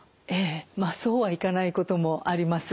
まあそうはいかないこともあります。